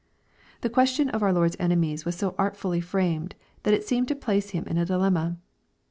The question of our Lord's enemies was so artfully firamed, that it seemed to place Him in a dilemma.